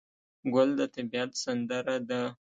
ګل د طبیعت سندره ده.